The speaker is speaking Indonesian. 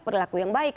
perlaku yang baik